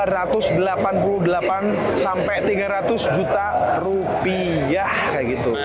rp dua ratus delapan puluh delapan sampai tiga ratus juta rupiah kayak gitu